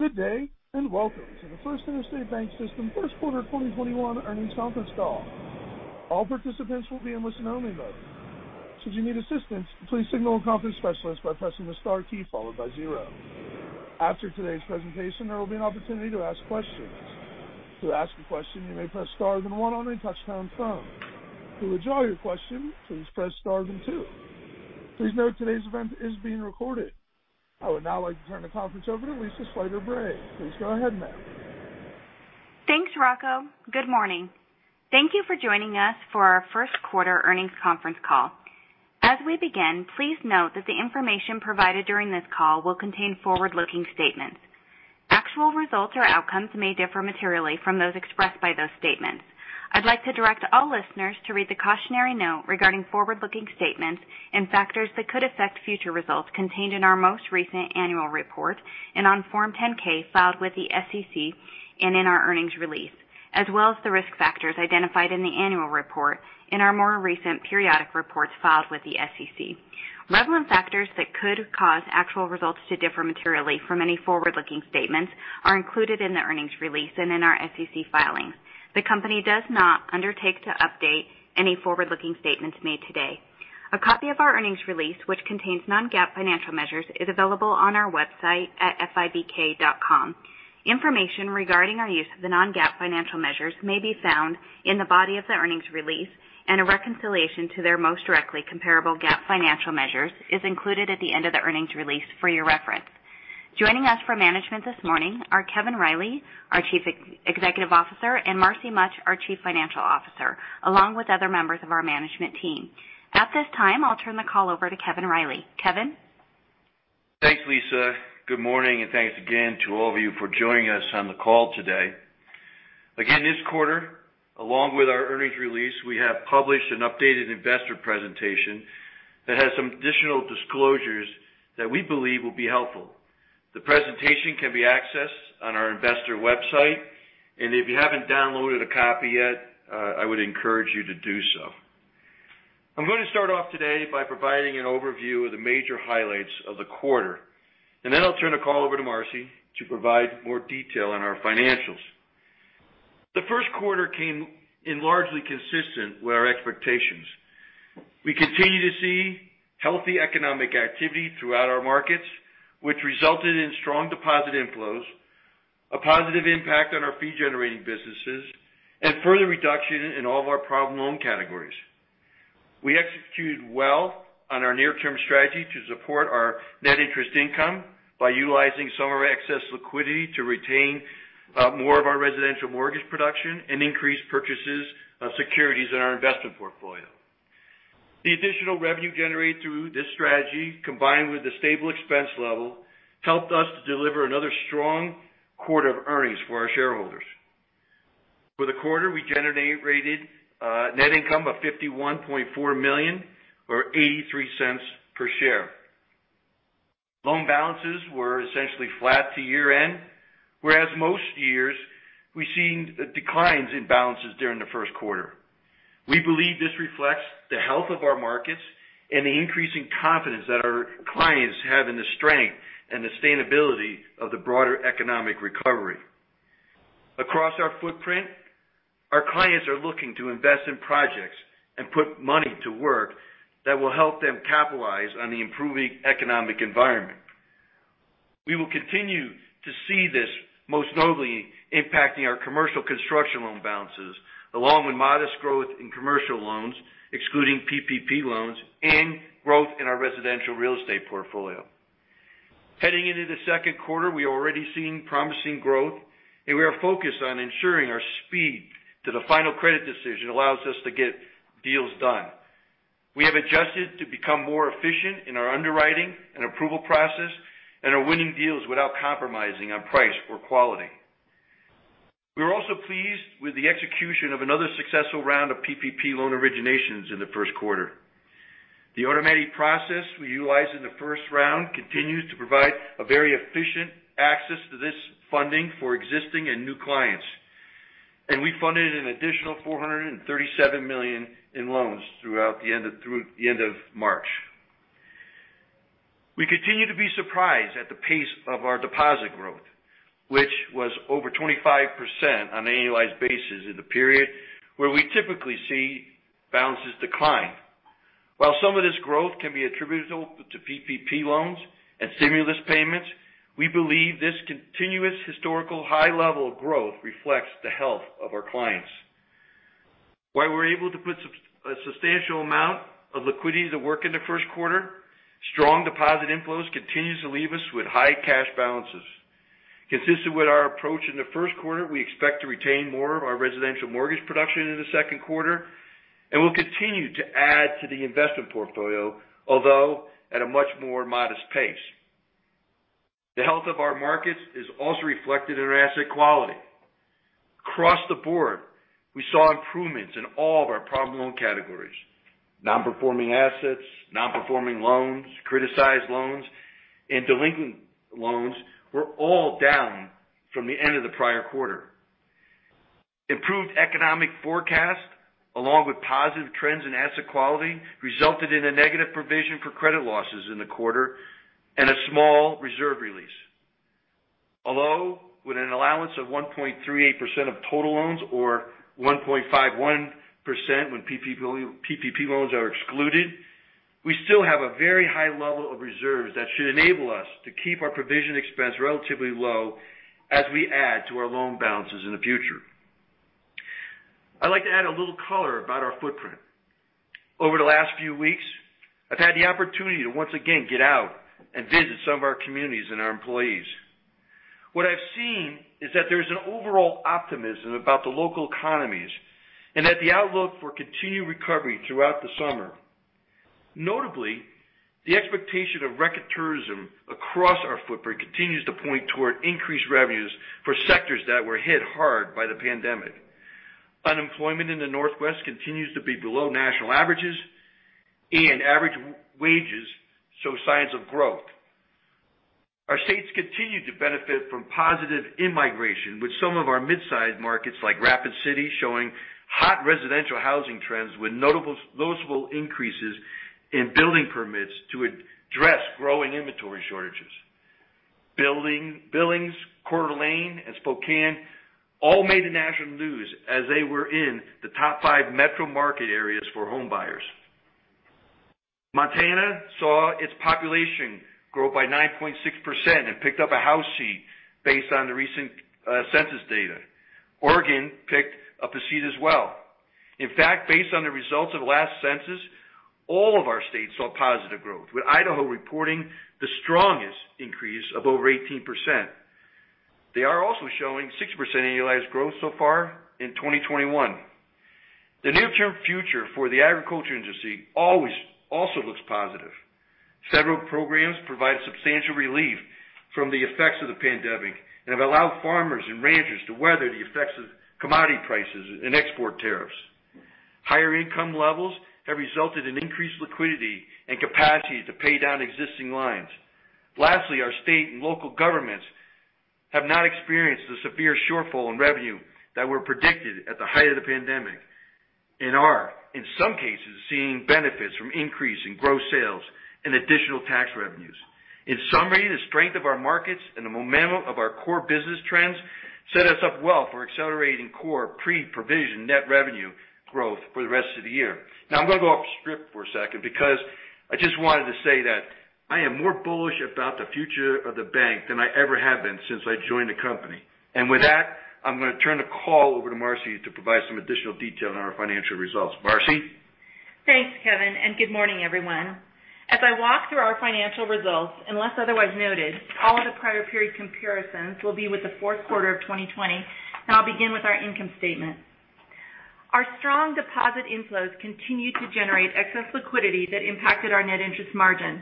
Good day, and welcome to the First Interstate BancSystem first quarter 2021 earnings confer ence call. All participants will be in listen only mode. Should you need assistance, please signal a conference specialist by pressing the star key followed by zero. After today's presentation, there will be an opportunity to ask questions. To ask a question, you may press star then one on a touchtone phone. To withdraw your question, please press star then two. Please note, today's event is being recorded. I would now like to turn the conference over to Lisa Slyter-Bray. Please go ahead, ma'am. Thanks, Rocco. Good morning. Thank you for joining us for our first quarter earnings conference call. As we begin, please note that the information provided during this call will contain forward-looking statements. Actual results or outcomes may differ materially from those expressed by those statements. I'd like to direct all listeners to read the cautionary note regarding forward-looking statements and factors that could affect future results contained in our most recent annual report and on Form 10-K filed with the SEC and in our earnings release, as well as the risk factors identified in the annual report in our more recent periodic reports filed with the SEC. Relevant factors that could cause actual results to differ materially from any forward-looking statements are included in the earnings release and in our SEC filings. The company does not undertake to update any forward-looking statements made today. A copy of our earnings release, which contains non-GAAP financial measures, is available on our website at fibk.com. Information regarding our use of the non-GAAP financial measures may be found in the body of the earnings release, and a reconciliation to their most directly comparable GAAP financial measures is included at the end of the earnings release for your reference. Joining us for management this morning are Kevin Riley, our Chief Executive Officer, and Marcy Mutch, our Chief Financial Officer, along with other members of our management team. At this time, I'll turn the call over to Kevin Riley. Kevin? Thanks, Lisa. Good morning, and thanks again to all of you for joining us on the call today. Again, this quarter, along with our earnings release, we have published an updated investor presentation that has some additional disclosures that we believe will be helpful. The presentation can be accessed on our investor website, and if you haven't downloaded a copy yet, I would encourage you to do so. I'm going to start off today by providing an overview of the major highlights of the quarter, and then I'll turn the call over to Marcy to provide more detail on our financials. The first quarter came in largely consistent with our expectations. We continue to see healthy economic activity throughout our markets, which resulted in strong deposit inflows, a positive impact on our fee-generating businesses, and further reduction in all of our problem loan categories. We executed well on our near-term strategy to support our net interest income by utilizing some of our excess liquidity to retain more of our residential mortgage production and increase purchases of securities in our investment portfolio. The additional revenue generated through this strategy, combined with the stable expense level, helped us to deliver another strong quarter of earnings for our shareholders. For the quarter, we generated net income of $51.4 million or $0.83 per share. Loan balances were essentially flat to year end, whereas most years we've seen declines in balances during the first quarter. We believe this reflects the health of our markets and the increasing confidence that our clients have in the strength and sustainability of the broader economic recovery. Across our footprint, our clients are looking to invest in projects and put money to work that will help them capitalize on the improving economic environment. We will continue to see this most notably impacting our commercial construction loan balances, along with modest growth in commercial loans, excluding PPP loans, and growth in our residential real estate portfolio. Heading into the second quarter, we're already seeing promising growth, and we are focused on ensuring our speed to the final credit decision allows us to get deals done. We have adjusted to become more efficient in our underwriting and approval process and are winning deals without compromising on price or quality. We are also pleased with the execution of another successful round of PPP loan originations in the first quarter. The automatic process we utilized in the first round continues to provide a very efficient access to this funding for existing and new clients, and we funded an additional $437 million in loans through the end of March. We continue to be surprised at the pace of our deposit growth, which was over 25% on an annualized basis in the period where we typically see balances decline. While some of this growth can be attributable to PPP loans and stimulus payments, we believe this continuous historical high level of growth reflects the health of our clients. While we were able to put a substantial amount of liquidity to work in the first quarter, strong deposit inflows continues to leave us with high cash balances. Consistent with our approach in the first quarter, we expect to retain more of our residential mortgage production in the second quarter and will continue to add to the investment portfolio, although at a much more modest pace. The health of our markets is also reflected in our asset quality. Across the board, we saw improvements in all of our problem loan categories. Non-performing assets, non-performing loans, criticized loans, and delinquent loans were all down from the end of the prior quarter. Improved economic forecast, along with positive trends in asset quality, resulted in a negative provision for credit losses in the quarter and a small reserve release. Although with an allowance of 1.38% of total loans or 1.51% when PPP loans are excluded, we still have a very high level of reserves that should enable us to keep our provision expense relatively low as we add to our loan balances in the future. I'd like to add a little color about our footprint. Over the last few weeks, I've had the opportunity to once again get out and visit some of our communities and our employees. What I've seen is that there's an overall optimism about the local economies, and that the outlook for continued recovery throughout the summer. Notably, the expectation of record tourism across our footprint continues to point toward increased revenues for sectors that were hit hard by the pandemic. Unemployment in the Northwest continues to be below national averages, and average wages show signs of growth. Our states continue to benefit from positive in-migration with some of our mid-sized markets like Rapid City showing hot residential housing trends with noticeable increases in building permits to address growing inventory shortages. Billings, Coeur d'Alene, and Spokane all made the national news as they were in the top five metro market areas for home buyers. Montana saw its population grow by 9.6% and picked up a House seat based on the recent census data. Oregon picked up a seat as well. In fact, based on the results of last census, all of our states saw positive growth, with Idaho reporting the strongest increase of over 18%. They are also showing 6% annualized growth so far in 2021. The near-term future for the agriculture industry also looks positive. Several programs provide substantial relief from the effects of the pandemic and have allowed farmers and ranchers to weather the effects of commodity prices and export tariffs. Higher income levels have resulted in increased liquidity and capacity to pay down existing lines. Lastly, our state and local governments have not experienced the severe shortfall in revenue that were predicted at the height of the pandemic and are, in some cases, seeing benefits from increase in gross sales and additional tax revenues. In summary, the strength of our markets and the momentum of our core business trends set us up well for accelerating core pre-provision net revenue growth for the rest of the year. Now, I'm going to go off script for a second because I just wanted to say that I am more bullish about the future of the bank than I ever have been since I joined the company. With that, I'm going to turn the call over to Marcy to provide some additional detail on our financial results. Marcy? Thanks, Kevin. Good morning, everyone. As I walk through our financial results, unless otherwise noted, all of the prior period comparisons will be with the fourth quarter of 2020. I'll begin with our income statement. Our strong deposit inflows continued to generate excess liquidity that impacted our net interest margin.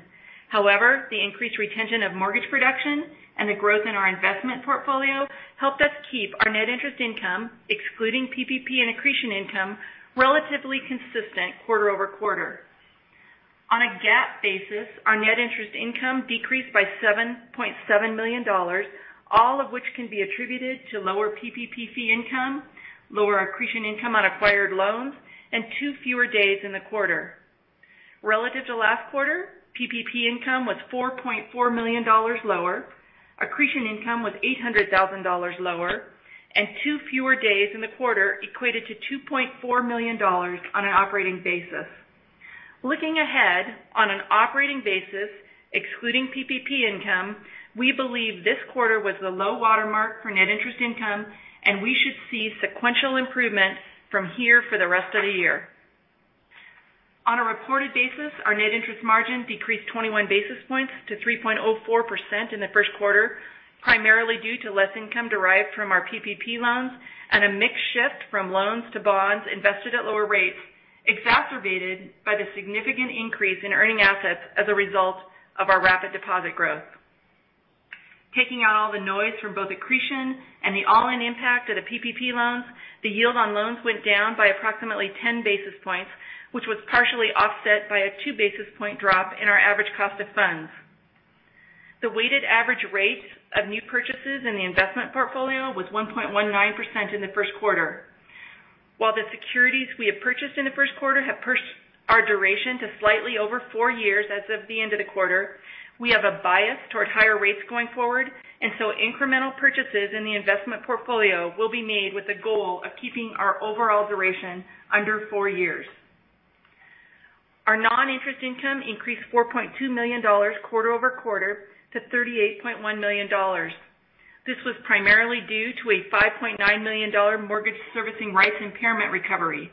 However, the increased retention of mortgage production and the growth in our investment portfolio helped us keep the net interest income, excluding PPP and accretion income, relatively consistent quarter-over-quarter. On a GAAP basis, our net interest income decreased by $7.7 million, all of which can be attributed to lower PPP fee income, lower accretion income on acquired loans, and two fewer days in the quarter. Relative to last quarter, PPP income was $4.4 million lower, accretion income was $800,000 lower, and two fewer days in the quarter equated to $2.4 million on an operating basis. Looking ahead, on an operating basis, excluding PPP income, we believe this quarter was the low water mark for net interest income, and we should see sequential improvement from here for the rest of the year. On a reported basis, our net interest margin decreased 21 basis points to 3.04% in the first quarter, primarily due to less income derived from our PPP loans and a mix shift from loans to bonds invested at lower rates, exacerbated by the significant increase in earning assets as a result of our rapid deposit growth. Taking out all the noise from both accretion and the all-in impact of the PPP loans, the yield on loans went down by approximately 10 basis points, which was partially offset by a two basis point drop in our average cost of funds. The weighted average rates of new purchases in the investment portfolio was 1.19% in the first quarter. While the securities we have purchased in the first quarter have pushed our duration to slightly over four years as of the end of the quarter, we have a bias towards higher rates going forward, incremental purchases in the investment portfolio will be made with the goal of keeping our overall duration under four years. Our non-interest income increased $4.2 million quarter-over-quarter to $38.1 million. This was primarily due to a $5.9 million mortgage servicing rights impairment recovery.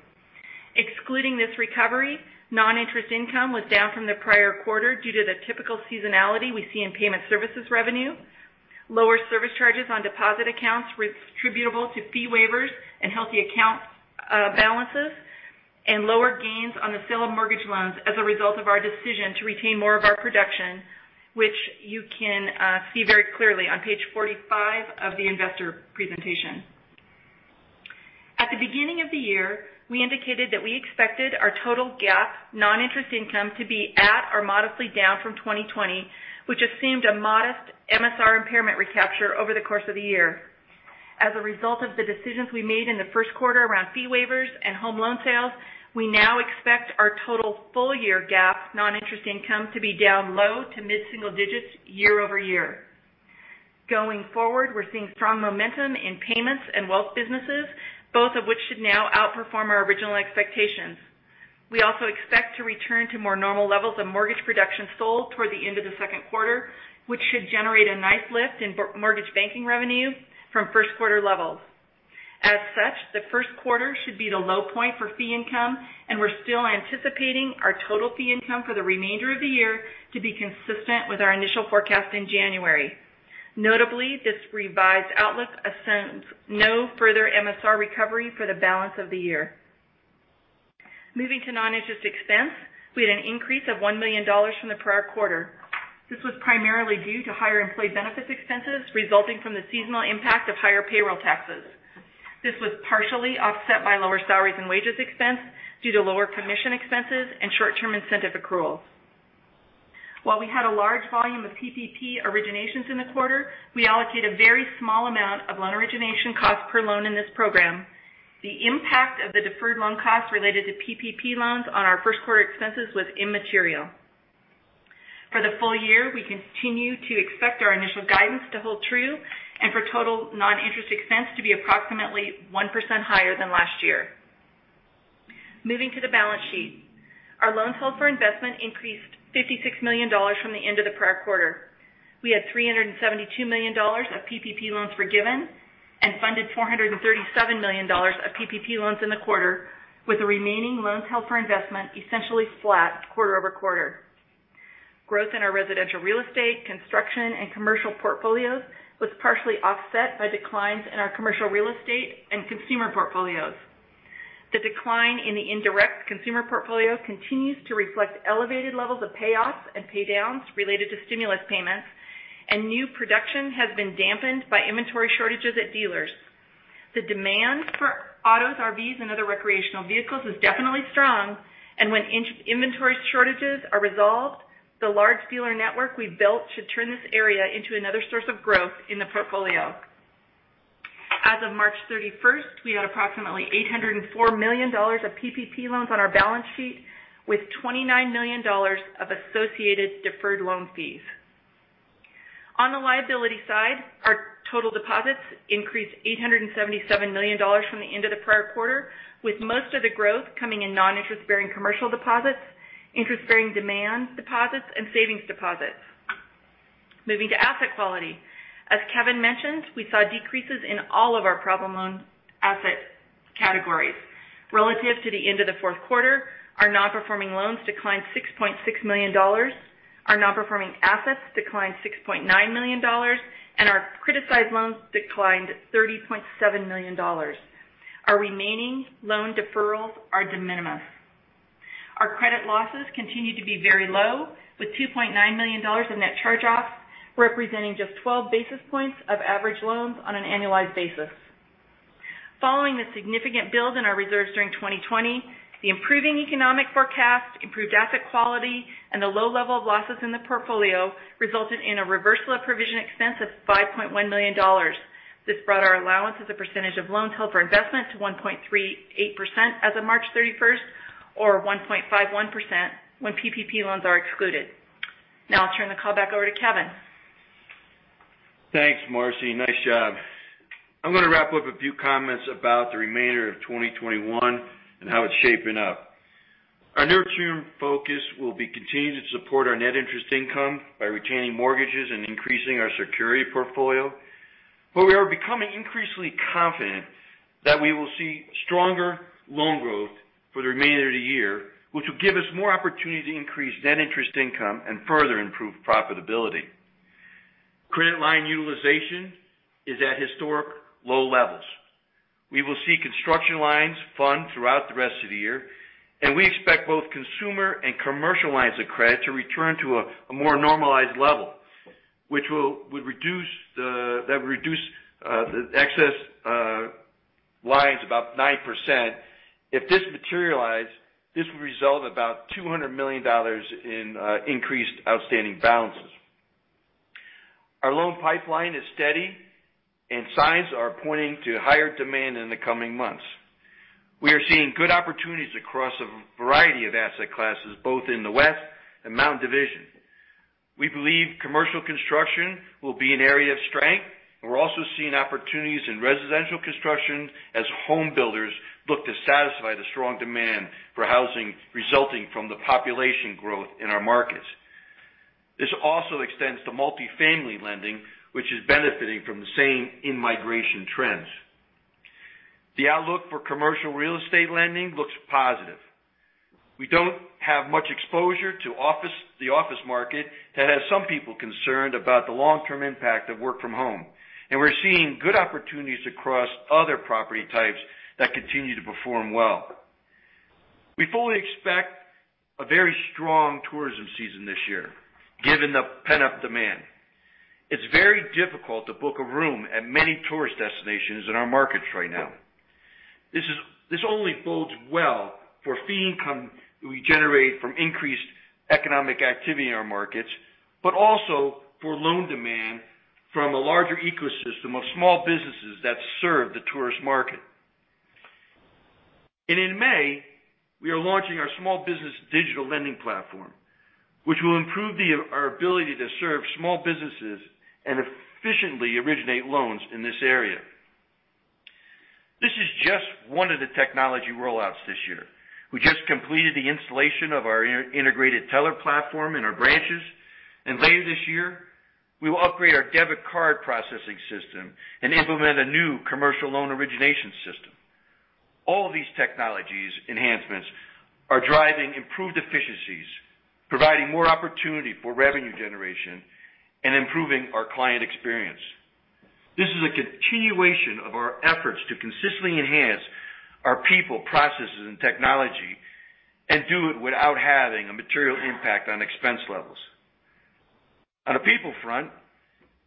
Excluding this recovery, non-interest income was down from the prior quarter due to the typical seasonality we see in payment services revenue, lower service charges on deposit accounts attributable to fee waivers and healthy account balances, and lower gains on the sale of mortgage loans as a result of our decision to retain more of our production, which you can see very clearly on page 45 of the investor presentation. At the beginning of the year, we indicated that we expected our total GAAP non-interest income to be at or modestly down from 2020, which assumed a modest MSR impairment recapture over the course of the year. As a result of the decisions we made in the first quarter around fee waivers and home loan sales, we now expect our total full year GAAP non-interest income to be down low to mid-single digits year-over-year. Going forward, we're seeing strong momentum in payments and wealth businesses, both of which should now outperform our original expectations. We also expect to return to more normal levels of mortgage production sold toward the end of the second quarter, which should generate a nice lift in mortgage banking revenue from first quarter levels. As such, the first quarter should be the low point for fee income, and we're still anticipating our total fee income for the remainder of the year to be consistent with our initial forecast in January. Notably, this revised outlook assumes no further MSR recovery for the balance of the year. Moving to non-interest expense, we had an increase of $1 million from the prior quarter. This was primarily due to higher employee benefits expenses resulting from the seasonal impact of higher payroll taxes. This was partially offset by lower salaries and wages expense due to lower commission expenses and short-term incentive accruals. While we had a large volume of PPP originations in the quarter, we allocate a very small amount of loan origination costs per loan in this program. The impact of the deferred loan costs related to PPP loans on our first quarter expenses was immaterial. For the full year, we continue to expect our initial guidance to hold true and for total non-interest expense to be approximately 1% higher than last year. Moving to the balance sheet. Our loans held for investment increased $56 million from the end of the prior quarter. We had $372 million of PPP loans forgiven and funded $437 million of PPP loans in the quarter, with the remaining loans held for investment essentially flat quarter-over-quarter. Growth in our residential real estate, construction, and commercial portfolios was partially offset by declines in our commercial real estate and consumer portfolios. The decline in the indirect consumer portfolio continues to reflect elevated levels of payoffs and paydowns related to stimulus payments, and new production has been dampened by inventory shortages at dealers. The demand for autos, RVs, and other recreational vehicles is definitely strong, and when inventory shortages are resolved, the large dealer network we've built should turn this area into another source of growth in the portfolio. As of March 31st, we had approximately $804 million of PPP loans on our balance sheet with $29 million of associated deferred loan fees. On the liability side, our total deposits increased $877 million from the end of the prior quarter, with most of the growth coming in non-interest-bearing commercial deposits, interest-bearing demand deposits, and savings deposits. Moving to asset quality. As Kevin mentioned, we saw decreases in all of our problem loan asset categories. Relative to the end of the fourth quarter, our non-performing loans declined $6.6 million, our non-performing assets declined $6.9 million, and our criticized loans declined $30.7 million. Our remaining loan deferrals are de minimis. Our credit losses continue to be very low, with $2.9 million in net charge-offs, representing just 12 basis points of average loans on an annualized basis. Following the significant build in our reserves during 2020, the improving economic forecast, improved asset quality, and the low level of losses in the portfolio resulted in a reversal of provision expense of $5.1 million. This brought our allowance as a percentage of loans held for investment to 1.38% as of March 31st or 1.51% when PPP loans are excluded. Now I'll turn the call back over to Kevin. Thanks, Marcy. Nice job. I'm going to wrap up a few comments about the remainder of 2021 and how it's shaping up. Our near-term focus will be continuing to support our net interest income by retaining mortgages and increasing our security portfolio. We are becoming increasingly confident that we will see stronger loan growth for the remainder of the year, which will give us more opportunity to increase net interest income and further improve profitability. Credit line utilization is at historic low levels. We will see construction lines fund throughout the rest of the year, and we expect both consumer and commercial lines of credit to return to a more normalized level. That would reduce the excess lines about 9%. If this materialize, this will result in about $200 million in increased outstanding balances. Our loan pipeline is steady and signs are pointing to higher demand in the coming months. We are seeing good opportunities across a variety of asset classes, both in the West and Mountain Division. We believe commercial construction will be an area of strength. We're also seeing opportunities in residential construction as home builders look to satisfy the strong demand for housing resulting from the population growth in our markets. This also extends to multifamily lending, which is benefiting from the same in-migration trends. The outlook for commercial real estate lending looks positive. We don't have much exposure to the office market that has some people concerned about the long-term impact of work from home. We're seeing good opportunities across other property types that continue to perform well. We fully expect a very strong tourism season this year, given the pent-up demand. It's very difficult to book a room at many tourist destinations in our markets right now. This only bodes well for fee income that we generate from increased economic activity in our markets, but also for loan demand from a larger ecosystem of small businesses that serve the tourist market. In May, we are launching our small business digital lending platform, which will improve our ability to serve small businesses and efficiently originate loans in this area. This is just one of the technology rollouts this year. We just completed the installation of our integrated teller platform in our branches, and later this year, we will upgrade our debit card processing system and implement a new commercial loan origination system. All these technology enhancements are driving improved efficiencies, providing more opportunity for revenue generation and improving our client experience. This is a continuation of our efforts to consistently enhance our people, processes, and technology, and do it without having a material impact on expense levels. On a people front,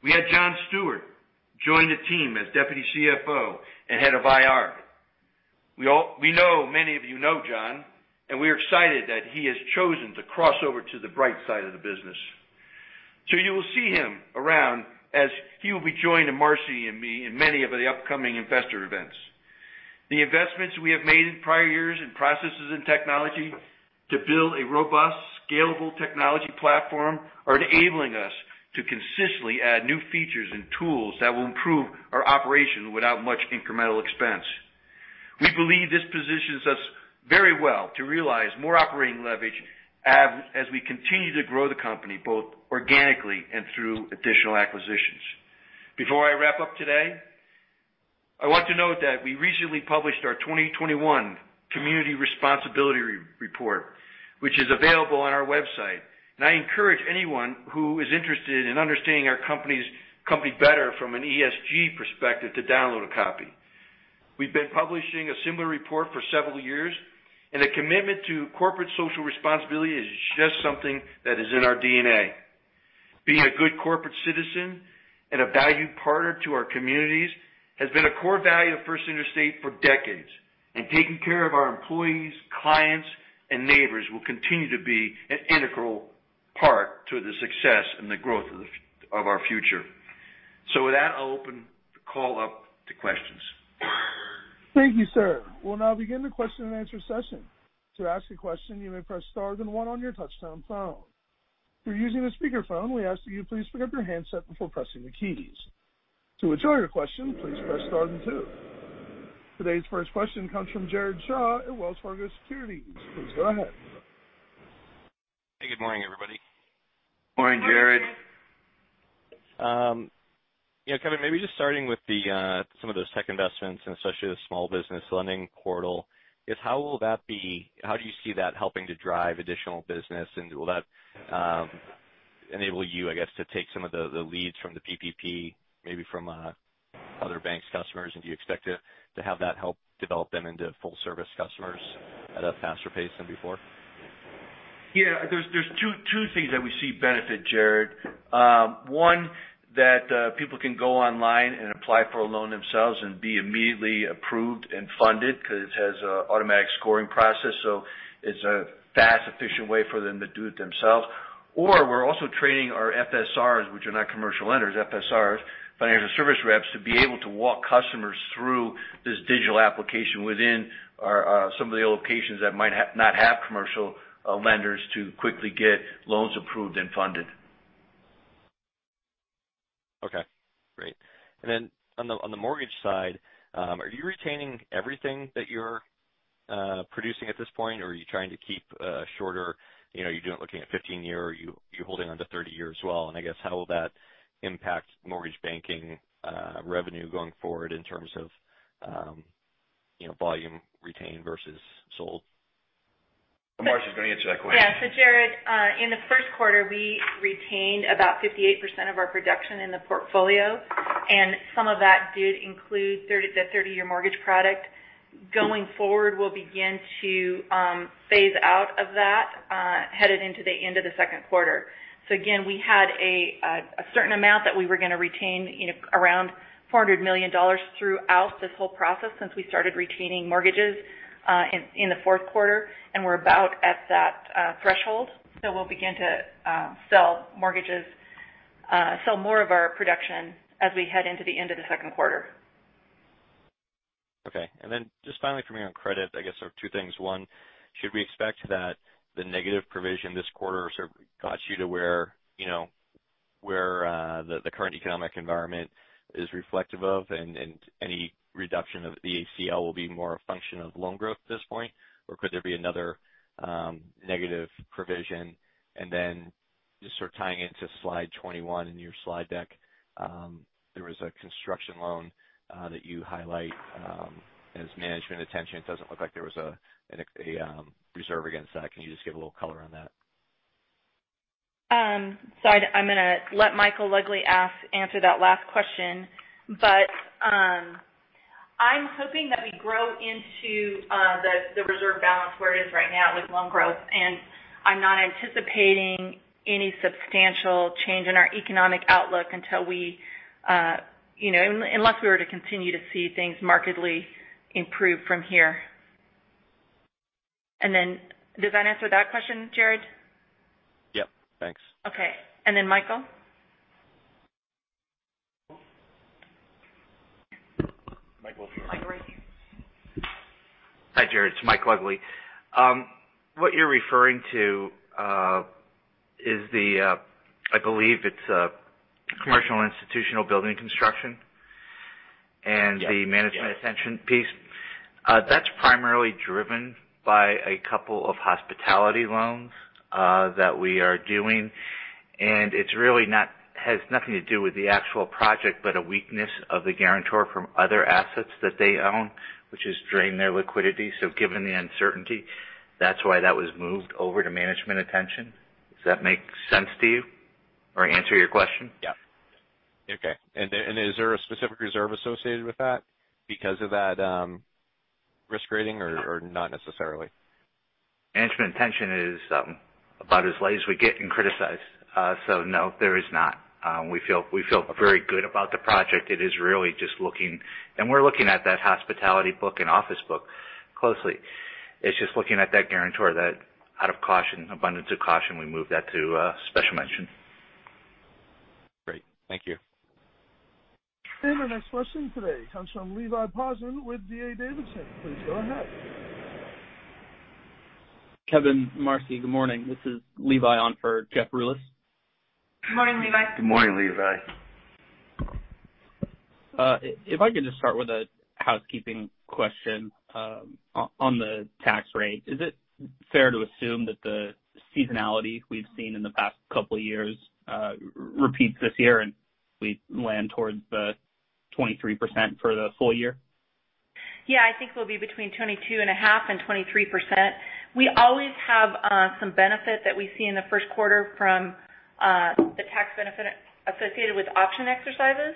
we had John Stewart join the team as Deputy CFO and Head of IR. We know many of you know John, and we're excited that he has chosen to cross over to the bright side of the business. You will see him around as he will be joining Marcy and me in many of the upcoming investor events. The investments we have made in prior years in processes and technology to build a robust, scalable technology platform are enabling us to consistently add new features and tools that will improve our operation without much incremental expense. We believe this positions us very well to realize more operating leverage as we continue to grow the company both organically and through additional acquisitions. Before I wrap up today, I want to note that we recently published our 2021 Community Responsibility Report, which is available on our website. I encourage anyone who is interested in understanding our company better from an ESG perspective to download a copy. We've been publishing a similar report for several years, and a commitment to corporate social responsibility is just something that is in our DNA. Being a good corporate citizen and a valued partner to our communities has been a core value of First Interstate for decades, and taking care of our employees, clients, and neighbors will continue to be an integral part to the success and the growth of our future. With that, I'll open the call up to questions. Thank you, sir. We'll now begin the question and answer session. To ask a question, you may press star then one on your touchtone phone. If you're using a speakerphone, we ask that you please pick up your handset before pressing the keys. To withdraw your question, please press star then two. Today's first question comes from Jared Shaw at Wells Fargo Securities. Please go ahead. Hey, good morning, everybody. Morning, Jared. Yeah, Kevin, maybe just starting with some of those tech investments and especially the small business lending portal. How do you see that helping to drive additional business? will that enable you, I guess, to take some of the leads from the PPP, maybe from other banks' customers? do you expect to have that help develop them into full service customers at a faster pace than before? Yeah. There's two things that we see benefit, Jared. One, that people can go online and apply for a loan themselves and be immediately approved and funded because it has an automatic scoring process. It's a fast, efficient way for them to do it themselves. We're also training our FSRs, which are not commercial lenders, FSRs, financial service reps, to be able to walk customers through this digital application within some of the locations that might not have commercial lenders to quickly get loans approved and funded. Okay, great. Then on the mortgage side, are you retaining everything that you're producing at this point, or are you trying to keep shorter, you're looking at 15-year, or are you holding on to 30-year as well? I guess how will that impact mortgage banking revenue going forward in terms of volume retained versus sold? Marcy's going to answer that question. Yeah. Jared, in the first quarter, we retained about 58% of our production in the portfolio, and some of that did include the 30-year mortgage product. Going forward, we'll begin to phase out of that, headed into the end of the second quarter. Again, we had a certain amount that we were going to retain around $400 million throughout this whole process since we started retaining mortgages in the fourth quarter. We're about at that threshold. We'll begin to sell mortgages, sell more of our production as we head into the end of the second quarter. Okay. Just finally from me on credit, I guess there are two things. One, should we expect that the negative provision this quarter got you to where the current economic environment is reflective of, and any reduction of the ACL will be more a function of loan growth at this point, or could there be another negative provision? Just sort of tying into slide 21 in your slide deck, there was a construction loan that you highlight as management attention. It doesn't look like there was a reserve against that. Can you just give a little color on that? I'm going to let Michael Lugli answer that last question. I'm hoping that we grow into the reserve balance where it is right now with loan growth and I'm not anticipating any substantial change in our economic outlook unless we were to continue to see things markedly improve from here. Does that answer that question, Jared? Yep. Thanks. Okay, Michael? Mike will go. Mike, we're with you. Hi, Jared. It's Mike Lugli. What you're referring to is the, I believe it's commercial institutional building construction. Yeah The management attention piece. That's primarily driven by a couple of hospitality loans that we are doing, and it really has nothing to do with the actual project, but a weakness of the guarantor from other assets that they own, which has drained their liquidity. Given the uncertainty, that's why that was moved over to management attention. Does that make sense to you or answer your question? Yeah. Okay. Is there a specific reserve associated with that because of that risk rating, or not necessarily? Management attention is about as light as we get in criticized. No, there is not. We feel very good about the project. It is really just looking, and we're looking at that hospitality book and office book closely. It's just looking at that guarantor that out of caution, abundance of caution, we moved that to special mention. Great. Thank you. Our next question today comes from Levi Posen with D.A. Davidson. Please go ahead. Kevin, Marcy, good morning. This is Levi on for Jeff Rulis. Good morning, Levi. Good morning, Levi. If I could just start with a housekeeping question on the tax rate. Is it fair to assume that the seasonality we've seen in the past couple of years repeats this year, and we land towards the 23% for the full year? Yeah, I think we'll be between 22.5 and 23%. We always have some benefit that we see in the first quarter from the tax benefit associated with option exercises,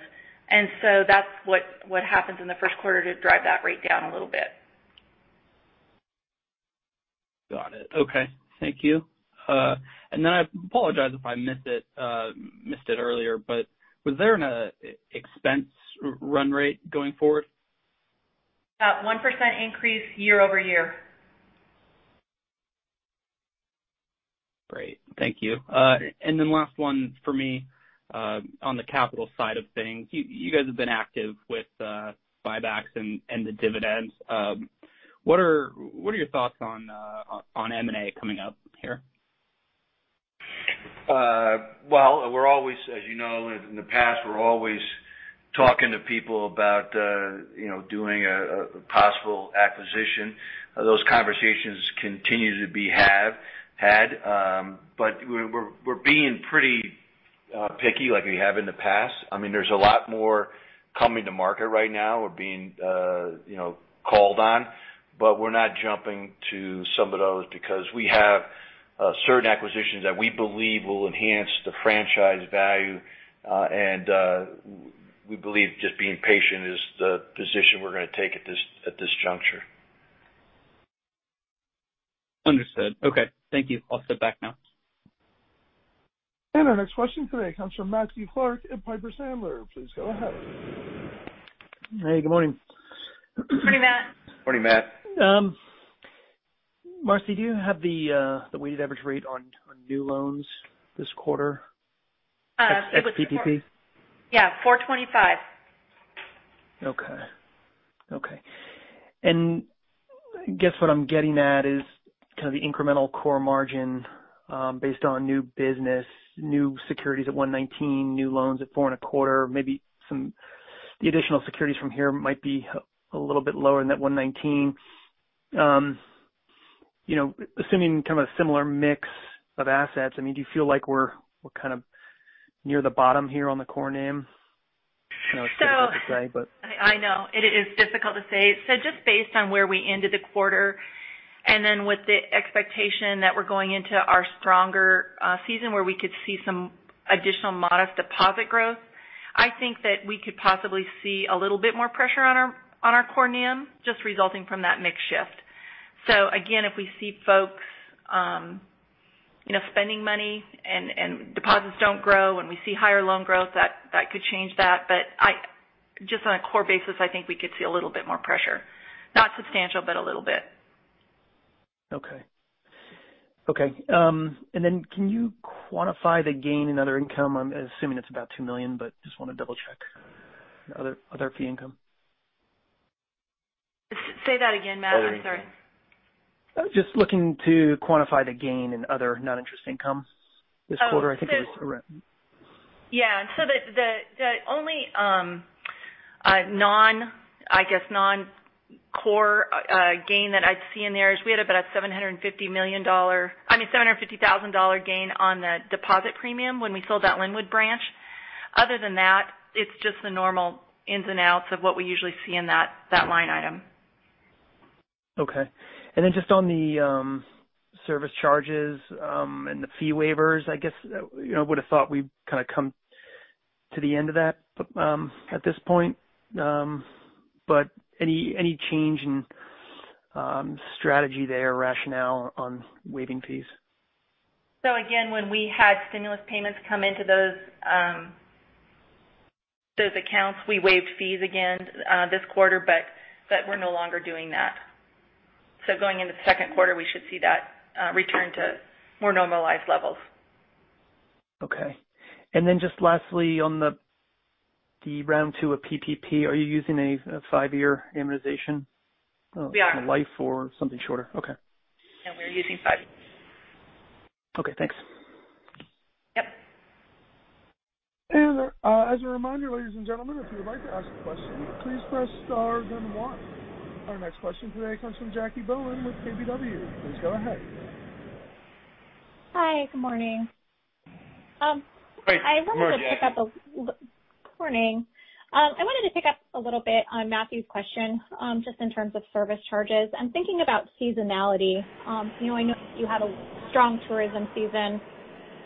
and so that's what happens in the first quarter to drive that rate down a little bit. Got it. Okay. Thank you. I apologize if I missed it earlier, but was there an expense run rate going forward? About 1% increase year-over-year. Last one for me. On the capital side of things, you guys have been active with buybacks and the dividends. What are your thoughts on M&A coming up here? Well, as you know in the past, we're always talking to people about doing a possible acquisition. Those conversations continue to be had, but we're being pretty picky like we have in the past. There's a lot more coming to market right now or being called on, but we're not jumping to some of those because we have certain acquisitions that we believe will enhance the franchise value. We believe just being patient is the position we're going to take at this juncture. Understood. Okay. Thank you. I'll step back now. Our next question today comes from Matthew Clark at Piper Sandler. Please go ahead. Hey, good morning. Good morning, Matt. Morning, Matt. Marcy, do you have the weighted average rate on new loans this quarter? It was- Ex-PPP? Yeah, 425. Okay. I guess what I'm getting at is kind of the incremental core margin based on new business, new securities at one nineteen, new loans at four and a quarter. Maybe some the additional securities from here might be a little bit lower than that one nineteen. Assuming kind of a similar mix of assets, do you feel like we're kind of near the bottom here on the core NIM? I know it's difficult to say, but- I know. It is difficult to say. Just based on where we ended the quarter, and then with the expectation that we're going into our stronger season where we could see some additional modest deposit growth, I think that we could possibly see a little bit more pressure on our core NIM, just resulting from that mix shift. Again, if we see folks spending money and deposits don't grow, and we see higher loan growth, that could change that. Just on a core basis, I think we could see a little bit more pressure. Not substantial, but a little bit. Okay. Can you quantify the gain in other income? I'm assuming it's about $2 million, but just want to double-check. Other fee income. Say that again, Matt. I'm sorry. Just looking to quantify the gain in other non-interest income this quarter. I think it was around- Yeah. The only non-core gain that I'd see in there is we had about a $750,000 gain on the deposit premium when we sold that Linwood branch. Other than that, it's just the normal ins and outs of what we usually see in that line item. Okay. just on the service charges and the fee waivers, I guess, I would've thought we'd kind of come to the end of that at this point. any change in strategy there, rationale on waiving fees? Again, when we had stimulus payments come into those accounts, we waived fees again this quarter, but we're no longer doing that. Going into the second quarter, we should see that return to more normalized levels. Okay. just lastly, on the round two of PPP, are you using a five-year amortization? We are. Of life or something shorter? Okay. Yeah, we're using five years. Okay, thanks. Yep. As a reminder, ladies and gentlemen, if you would like to ask a question, please press star then one. Our next question today comes from Jackie Bohlen with KBW. Please go ahead. Hi. Good morning. Hi, good morning, Jackie. Morning. I wanted to pick up a little bit on Matthew's question, just in terms of service charges and thinking about seasonality. I know you had a strong tourism season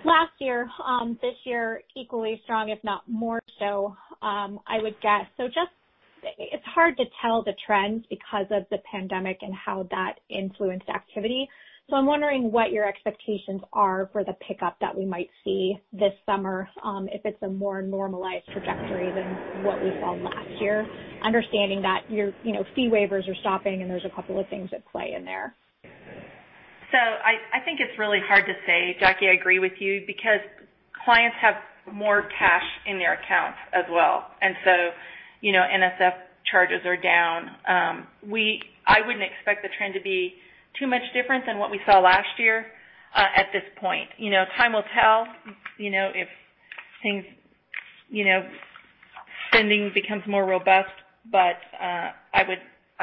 last year. This year, equally strong, if not more so, I would guess. It's hard to tell the trends because of the pandemic and how that influenced activity. I'm wondering what your expectations are for the pickup that we might see this summer, if it's a more normalized trajectory than what we saw last year. Understanding that your fee waivers are stopping and there's a couple of things at play in there. I think it's really hard to say, Jackie, I agree with you, because clients have more cash in their accounts as well. NSF charges are down. I wouldn't expect the trend to be too much different than what we saw last year at this point. Time will tell if spending becomes more robust, but I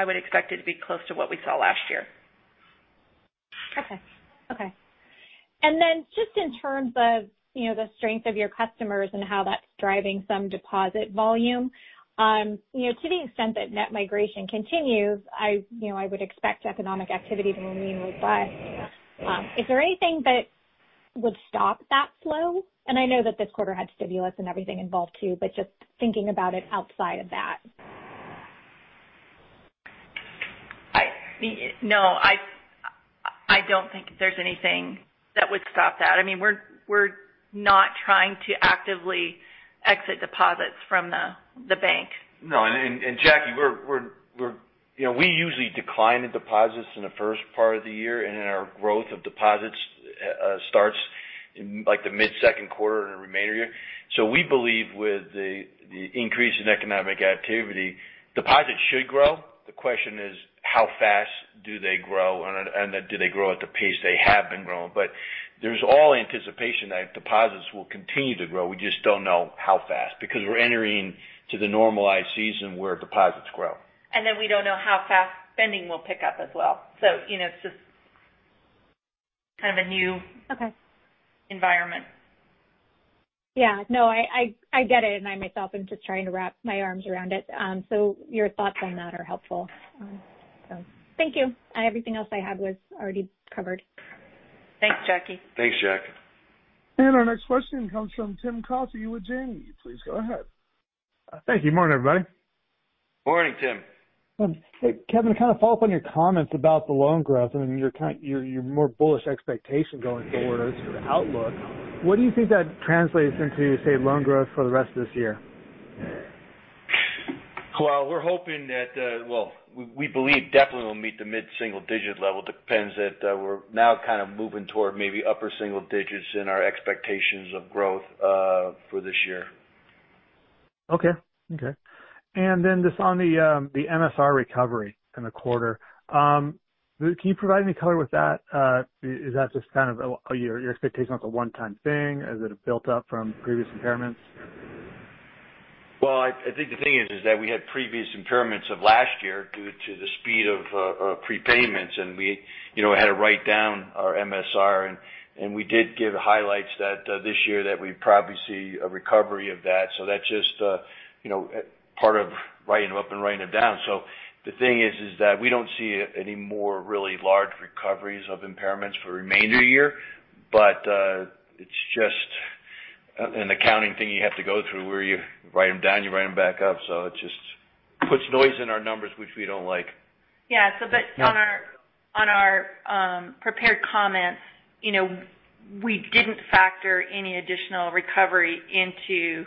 would expect it to be close to what we saw last year. Okay. Just in terms of the strength of your customers and how that's driving some deposit volume, to the extent that net migration continues, I would expect economic activity to remain robust. Is there anything that would stop that flow? I know that this quarter had stimulus and everything involved too, but just thinking about it outside of that. I don't think there's anything that would stop that. We're not trying to actively exit deposits from the bank. No. Jackie, we usually decline in deposits in the first part of the year, and then our growth of deposits starts in the mid-second quarter and the remainder year. We believe with the increase in economic activity, deposits should grow. The question is how fast do they grow, and do they grow at the pace they have been growing? There's all anticipation that deposits will continue to grow. We just don't know how fast, because we're entering to the normalized season where deposits grow. We don't know how fast spending will pick up as well. Okay. So, you know, just kind of a new environment. Yeah. No, I get it, and I myself am just trying to wrap my arms around it. Your thoughts on that are helpful. Thank you. Everything else I had was already covered. Thanks, Jackie. Thanks, Jackie. Our next question comes from Tim Coffey with Janney. Please go ahead. Thank you. Morning, everybody. Morning, Tim. Hey, Kevin, kind of follow up on your comments about the loan growth and your more bullish expectation going forward as to the outlook, what do you think that translates into, say, loan growth for the rest of this year? Well, we believe definitely we'll meet the mid-single digit level. Depends that we're now kind of moving toward maybe upper single digits in our expectations of growth for this year. Okay. just on the MSR recovery in the quarter. Can you provide any color with that? Is that just kind of your expectation it's a one-time thing? Is it built up from previous impairments? Well, I think the thing is that we had previous impairments of last year due to the speed of prepayments, and we had to write down our MSR, and we did give highlights that this year that we'd probably see a recovery of that. That's just part of writing them up and writing them down. The thing is that we don't see any more really large recoveries of impairments for remainder year. It's just an accounting thing you have to go through where you write them down, you write them back up. It just puts noise in our numbers, which we don't like. Yeah. On our prepared comments, we didn't factor any additional recovery into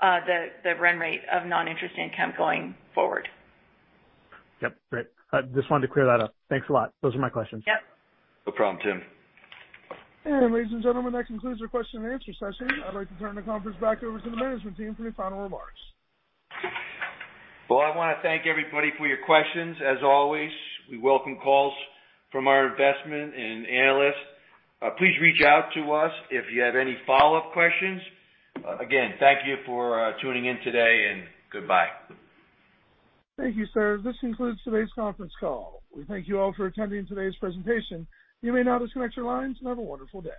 the run rate of non-interest income going forward. Yep. Great. Just wanted to clear that up. Thanks a lot. Those are my questions. Yep. No problem, Tim. Ladies and gentlemen, that concludes our question and answer session. I'd like to turn the conference back over to the management team for any final remarks. Well, I want to thank everybody for your questions. As always, we welcome calls from our investors and analysts. Please reach out to us if you have any follow-up questions. Again, thank you for tuning in today, and goodbye. Thank you, sir. This concludes today's conference call. We thank you all for attending today's presentation. You may now disconnect your lines, and have a wonderful day